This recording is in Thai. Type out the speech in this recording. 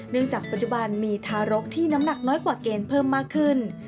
จากปัจจุบันมีทารกที่น้ำหนักน้อยกว่าเกณฑ์เพิ่มมากขึ้น